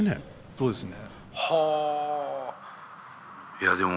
そうですよね。